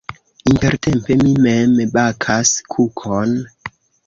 Intertempe mi mem bakas kukon.